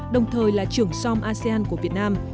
đồng thời là trưởng som asean của việt nam